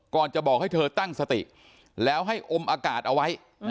จะบอกให้เธอตั้งสติแล้วให้อมอากาศเอาไว้